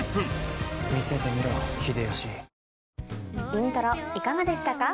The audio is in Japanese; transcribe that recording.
『イントロ』いかがでしたか？